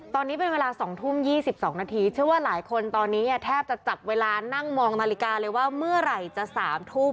ตอนนี้เป็นเวลา๒ทุ่ม๒๒นาทีเชื่อว่าหลายคนตอนนี้แทบจะจับเวลานั่งมองนาฬิกาเลยว่าเมื่อไหร่จะ๓ทุ่ม